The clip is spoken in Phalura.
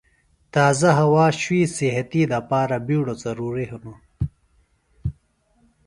تازہ ہوا شُوئی صِحتی دپارہ بِیڈوۡ ضروری ہِنوۡ۔